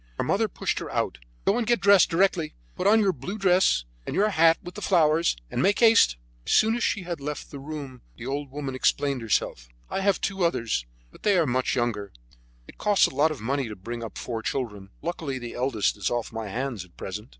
Her mother pushed her out. "Go and get dressed directly; put on your blue dress and your hat with the flowers, and make haste." As soon as she had left the room the old woman explained herself: "I have two others, but they are much younger. It costs a lot of money to bring up four children. Luckily the eldest is off my hands at present."